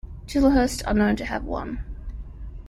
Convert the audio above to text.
Chislehurst are known to have won.